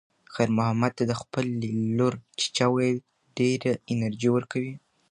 خیر محمد ته د خپلې لور "چیچیه" ویل ډېره انرژي ورکوي.